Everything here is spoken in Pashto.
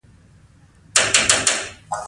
اوږده يا د سړې په ویي کې ده